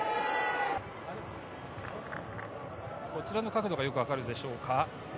こちらの角度がよく分かるでしょうか。